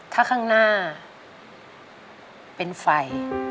ถ้าข้างหน้าเป็นไฟ